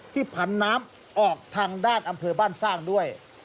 ผันน้ำออกทางด้านอำเภอบ้านสร้างด้วย